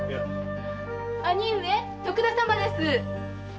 兄上徳田様です。